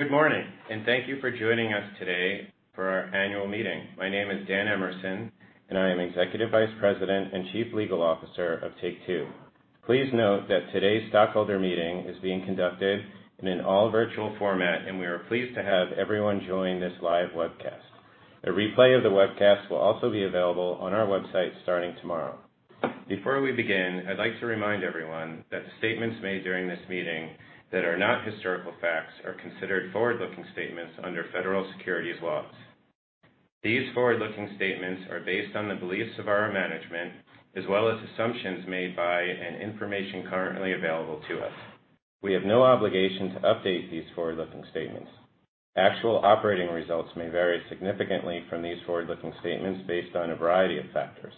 Good morning. Thank you for joining us today for our annual meeting. My name is Dan Emerson, and I am Executive Vice President and Chief Legal Officer of Take-Two. Please note that today's stockholder meeting is being conducted in an all-virtual format, and we are pleased to have everyone join this live webcast. A replay of the webcast will also be available on our website starting tomorrow. Before we begin, I'd like to remind everyone that the statements made during this meeting that are not historical facts are considered forward-looking statements under federal securities laws. These forward-looking statements are based on the beliefs of our management as well as assumptions made by and information currently available to us. We have no obligation to update these forward-looking statements. Actual operating results may vary significantly from these forward-looking statements based on a variety of factors.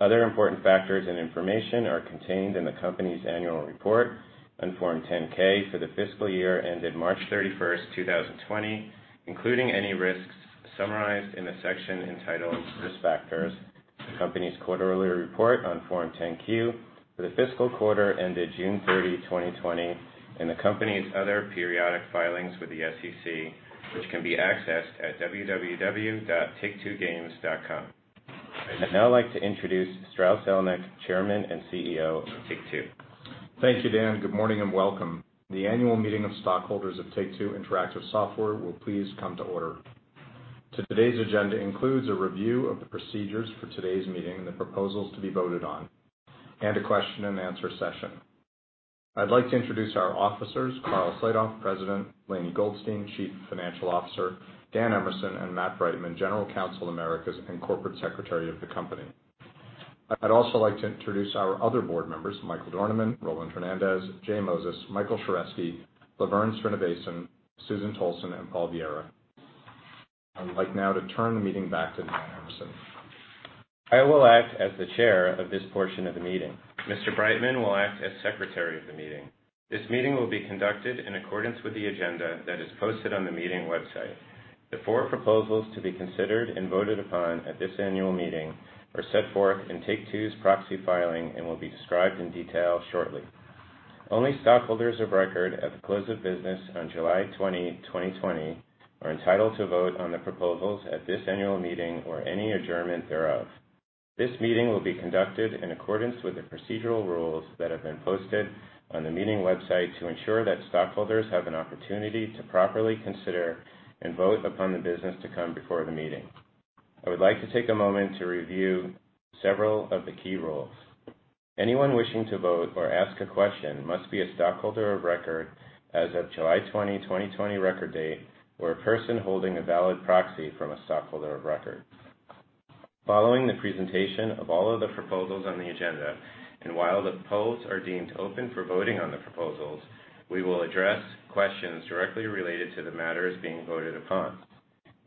Other important factors and information are contained in the company's annual report on Form 10-K for the fiscal year ended March 31st, 2020, including any risks summarized in the section entitled Risk Factors, the company's quarterly report on Form 10-Q for the fiscal quarter ended June 30, 2020, and the company's other periodic filings with the SEC, which can be accessed at www.take2games.com. I'd now like to introduce Strauss Zelnick, Chairman and CEO of Take-Two. Thank you, Dan. Good morning and welcome. The annual meeting of stockholders of Take-Two Interactive Software will please come to order. Today's agenda includes a review of the procedures for today's meeting and the proposals to be voted on, and a question and answer session. I'd like to introduce our officers, Karl Slatoff, President, Lainie Goldstein, Chief Financial Officer, Dan Emerson, and Matt Breitman, General Counsel Americas and Corporate Secretary of the company. I'd also like to introduce our other Board members, Michael Dornemann, Roland Hernandez, J. Moses, Michael Sheresky, LaVerne Srinivasan, Susan Tolson, and Paul Viera. I would like now to turn the meeting back to Dan Emerson. I will act as the Chair of this portion of the meeting. Mr. Breitman will act as Secretary of the Meeting. This meeting will be conducted in accordance with the agenda that is posted on the meeting website. The four proposals to be considered and voted upon at this annual meeting are set forth in Take-Two's proxy filing and will be described in detail shortly. Only stockholders of record at the close of business on July 20, 2020 are entitled to vote on the proposals at this annual meeting or any adjournment thereof. This meeting will be conducted in accordance with the procedural rules that have been posted on the meeting website to ensure that stockholders have an opportunity to properly consider and vote upon the business to come before the meeting. I would like to take a moment to review several of the key rules. Anyone wishing to vote or ask a question must be a stockholder of record as of July 20, 2020 record date, or a person holding a valid proxy from a stockholder of record. Following the presentation of all of the proposals on the agenda, and while the polls are deemed open for voting on the proposals, we will address questions directly related to the matters being voted upon.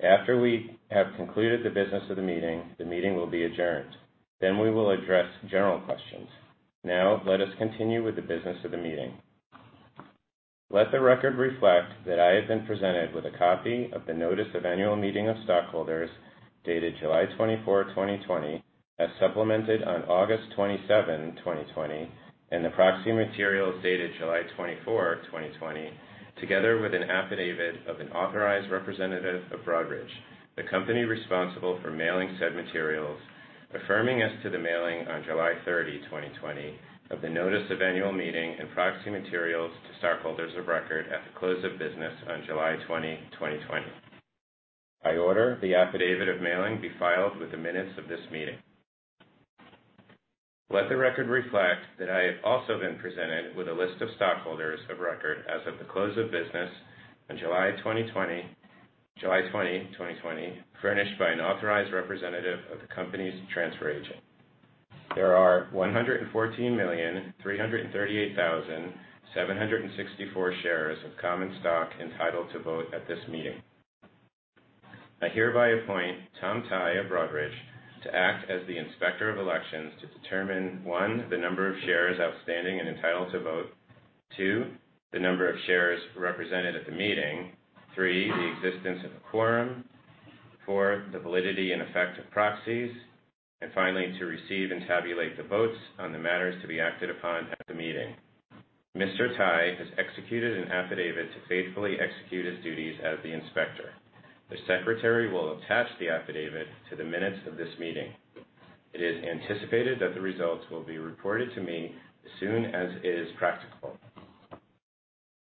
After we have concluded the business of the meeting, the meeting will be adjourned. We will address general questions. Now let us continue with the business of the meeting. Let the record reflect that I have been presented with a copy of the Notice of Annual Meeting of Stockholders dated July 24th, 2020, as supplemented on August 27, 2020, and the proxy materials dated July 24th, 2020, together with an affidavit of an authorized representative of Broadridge, the company responsible for mailing said materials, affirming as to the mailing on July 30, 2020, of the notice of annual meeting and proxy materials to stockholders of record at the close of business on July 20, 2020. I order the affidavit of mailing be filed with the minutes of this meeting. Let the record reflect that I have also been presented with a list of stockholders of record as of the close of business on July 20, 2020, furnished by an authorized representative of the company's transfer agent. There are 114,338,764 shares of common stock entitled to vote at this meeting. I hereby appoint Tom Tai of Broadridge to act as the Inspector of Elections to determine, one, the number of shares outstanding and entitled to vote, two, the number of shares represented at the meeting, three, the existence of a quorum, four, the validity and effect of proxies, and finally, to receive and tabulate the votes on the matters to be acted upon at the meeting. Mr. Tai has executed an affidavit to faithfully execute his duties as the Inspector. The Secretary will attach the affidavit to the minutes of this meeting. It is anticipated that the results will be reported to me as soon as is practical.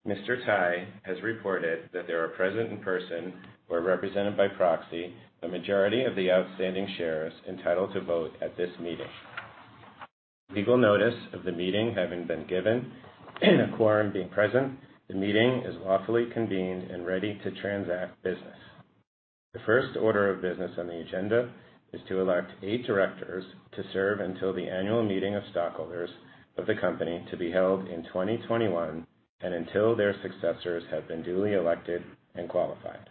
Mr. Tai has reported that there are present in person or represented by proxy the majority of the outstanding shares entitled to vote at this meeting. Legal notice of the meeting having been given, a quorum being present, the meeting is lawfully convened and ready to transact business. The first order of business on the agenda is to elect eight directors to serve until the Annual Meeting of Stockholders of the company to be held in 2021 and until their successors have been duly elected and qualified.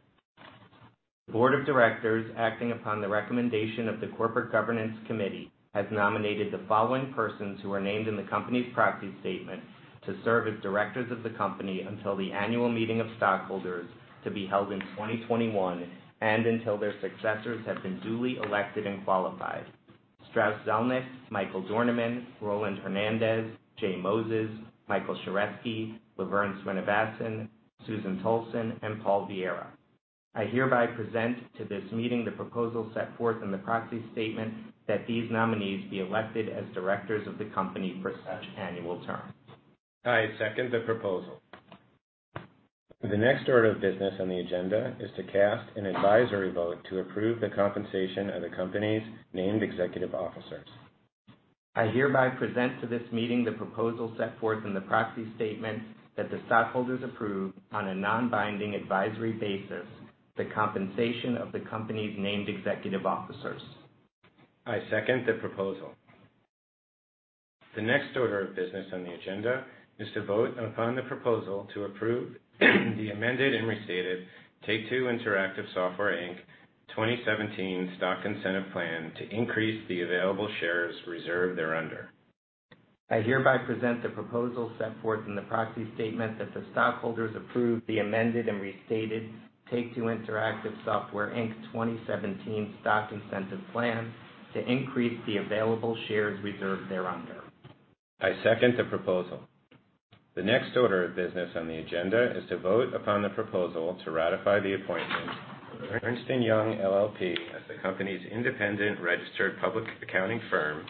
The Board of Directors, acting upon the recommendation of the Corporate Governance Committee, has nominated the following persons who are named in the company's proxy statement to serve as directors of the company until the annual meeting of stockholders to be held in 2021 and until their successors have been duly elected and qualified. Strauss Zelnick, Michael Dornemann, Roland Hernandez, J. Moses, Michael Sheresky, LaVerne Srinivasan, Susan Tolson, and Paul Viera. I hereby present to this meeting the proposal set forth in the proxy statement that these nominees be elected as directors of the company for such annual terms. I second the proposal. The next order of business on the agenda is to cast an advisory vote to approve the compensation of the company's named executive officers. I hereby present to this meeting the proposal set forth in the proxy statement that the stockholders approve, on a non-binding advisory basis, the compensation of the company's named executive officers. I second the proposal. The next order of business on the agenda is to vote upon the proposal to approve the Amended and Restated Take-Two Interactive Software, Inc 2017 Stock Incentive Plan to increase the available shares reserved thereunder. I hereby present the proposal set forth in the proxy statement that the stockholders approve the Amended and Restated Take-Two Interactive Software, Inc 2017 Stock Incentive Plan to increase the available shares reserved thereunder. I second the proposal. The next order of business on the agenda is to vote upon the proposal to ratify the appointment of Ernst & Young LLP as the company's independent registered public accounting firm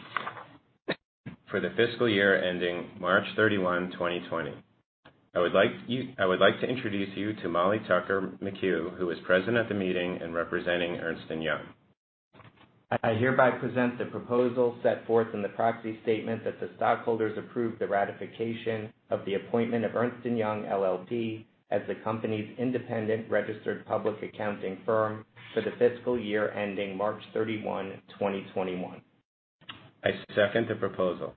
for the fiscal year ending March 31, 2020. I would like to introduce you to Molly Tucker McCue, who is present at the meeting and representing Ernst & Young. I hereby present the proposal set forth in the proxy statement that the stockholders approve the ratification of the appointment of Ernst & Young LLP as the company's independent registered public accounting firm for the fiscal year ending March 31, 2021. I second the proposal.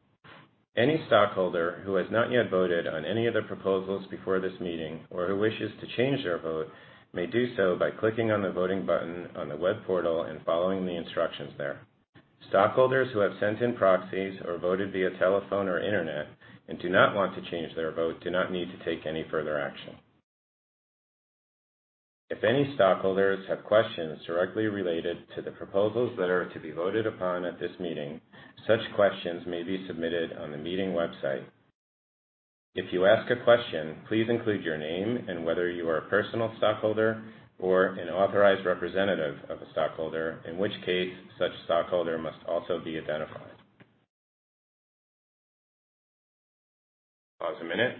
Any stockholder who has not yet voted on any of the proposals before this meeting or who wishes to change their vote may do so by clicking on the voting button on the web portal and following the instructions there. Stockholders who have sent in proxies or voted via telephone or internet and do not want to change their vote do not need to take any further action. If any stockholders have questions directly related to the proposals that are to be voted upon at this meeting, such questions may be submitted on the meeting website. If you ask a question, please include your name and whether you are a personal stockholder or an authorized representative of a stockholder, in which case such stockholder must also be identified. Pause a minute.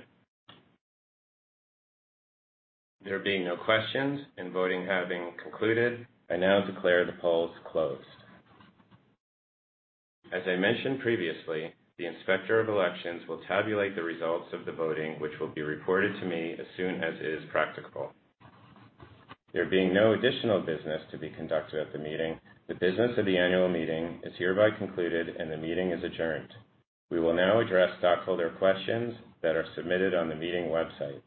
There being no questions and voting having concluded, I now declare the polls closed. As I mentioned previously, the Inspector of Elections will tabulate the results of the voting, which will be reported to me as soon as is practicable. There being no additional business to be conducted at the meeting, the business of the annual meeting is hereby concluded, and the meeting is adjourned. We will now address stockholder questions that are submitted on the meeting website.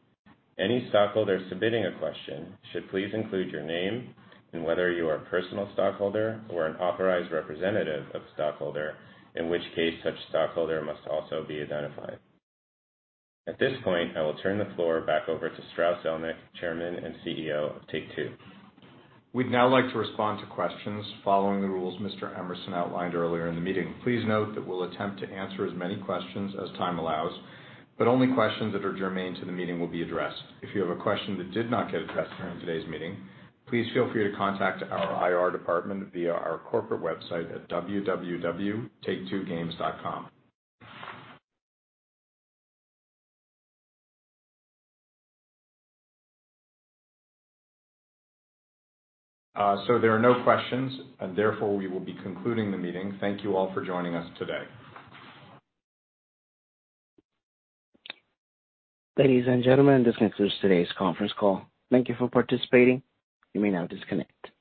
Any stockholder submitting a question should please include your name and whether you are a personal stockholder or an authorized representative of a stockholder, in which case such stockholder must also be identified. At this point, I will turn the floor back over to Strauss Zelnick, Chairman and CEO of Take-Two. We'd now like to respond to questions following the rules Mr. Emerson outlined earlier in the meeting. Please note that we'll attempt to answer as many questions as time allows, but only questions that are germane to the meeting will be addressed. If you have a question that did not get addressed during today's meeting, please feel free to contact our IR department via our corporate website at www.take2games.com. There are no questions, and therefore, we will be concluding the meeting. Thank you all for joining us today. Ladies and gentlemen, this concludes today's conference call. Thank you for participating. You may now disconnect.